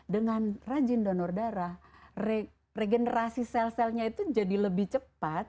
dengan rajin donor darah regenerasi sel selnya itu jadi lebih cepat